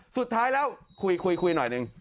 สุดท้ายแล้วคุยหน่อยนึง